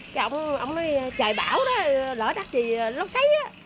cái ông nói trời bão đó lỡ đắt thì lót xáy á